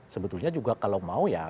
sebetulnya juga kalau mau ya